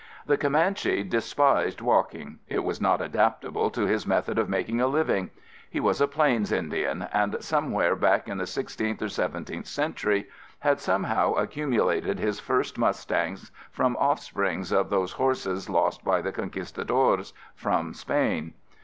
The Comanche despised walking; it was not adaptable to his method of making a living. He was a plains Indian, and somewhere back in the sixteenth or seventeenth century had somehow accumulated his first mustangs from offsprings of those horses lost by the Conquistadores from Spain.